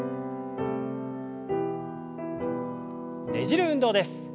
ねじる運動です。